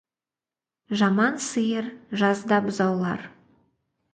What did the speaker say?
Жаман сиыр жазда бұзаулар.